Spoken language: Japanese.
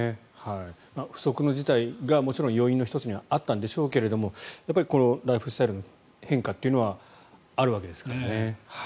不測の事態がもちろん要因の１つにはあったんでしょうがライフスタイルの変化というのはあるわけですからね。